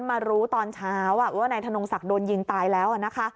มารู้ตอนเช้าว่าว่านายถนนกศักดิ์โดนยิงตายแล้ว